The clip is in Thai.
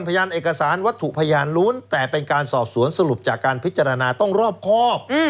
พยานเอกสารวัตถุพยานล้วนแต่เป็นการสอบสวนสรุปจากการพิจารณาต้องรอบครอบ